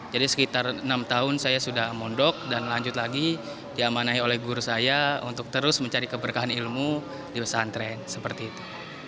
jadi sekitar enam tahun saya sudah mondok dan lanjut lagi diamanahi oleh guru saya untuk terus mencari keberkahan ilmu di santren seperti itu